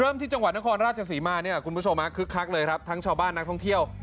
เริ่มที่จังหวัดนครราชสีมาคุณผู้ชมมาคลึกคลักเลยทั้งชาวบ้านนักท่องเที่ยว